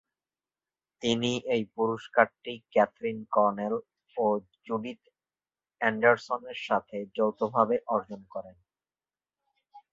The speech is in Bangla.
তিনি এই পুরস্কারটি ক্যাথরিন কর্নেল ও জুডিথ অ্যান্ডারসনের সাথে যৌথভাবে অর্জন করেন।